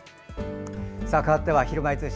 かわっては「ひるまえ通信」